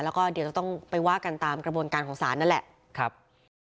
แล้วก็เดี๋ยวจะต้องไปว่ากันตามกระบวนการของศาลนั่นแหละ